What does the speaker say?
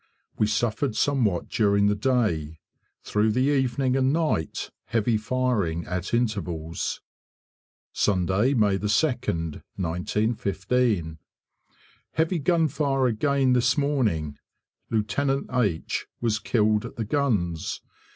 We suffered somewhat during the day. Through the evening and night heavy firing at intervals. Sunday, May 2nd, 1915. Heavy gunfire again this morning. Lieut. H was killed at the guns.